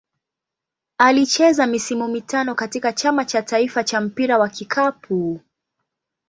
Alicheza misimu mitano katika Chama cha taifa cha mpira wa kikapu.